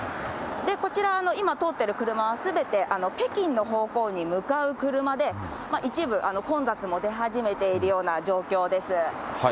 こちら、今、通ってる車はすべて北京の方向に向かう車で、一部、混雑も出始めているような状況です。